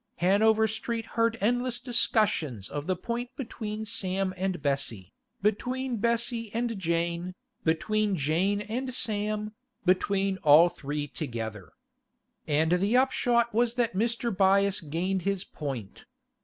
Hanover Street heard endless discussions of the point between Sam and Bessie, between Bessie and Jane, between Jane and Sam, between all three together. And the upshot was that Mr. Byass gained his point.